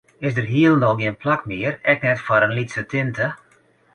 Is der hielendal gjin plak mear, ek net foar in lytse tinte?